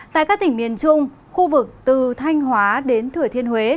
tại các tỉnh miền trung khu vực từ thanh hóa đến thừa thiên huế